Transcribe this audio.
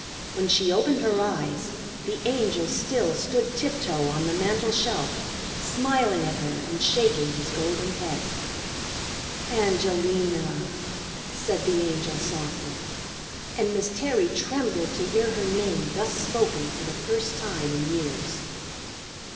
When she opened her eyes the Angel still stood tiptoe on the mantel shelf, smiling at her and shaking his golden head. "Angelina!" said the Angel softly; and Miss Terry trembled to hear her name thus spoken for the first time in years.